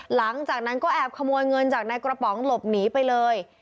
หลังจากนั้นก็แอบขโมยเงินจากในกระป๋องหลบหนีไปเลย